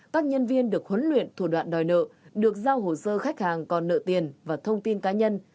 các nhân viên được huấn luyện thủ đoạn đòi nợ được giao hồ sơ khách hàng còn nợ tiền và thông tin cá nhân